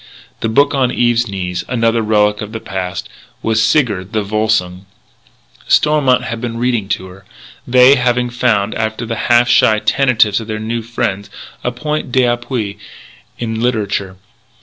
The book on Eve's knees another relic of the past was Sigurd the Volsung. Stormont had been reading to her they having found, after the half shy tentatives of new friends, a point d'appui in literature.